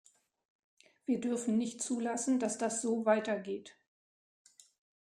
Wir dürfen nicht zulassen, dass das so weiter geht.